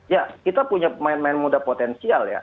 ya kita punya pemain pemain muda potensial ya